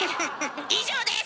以上です！